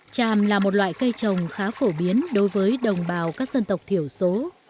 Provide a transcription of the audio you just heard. tràm là một loại cây trồng khá phổ biến đối với đồng bào các dân tộc thiểu số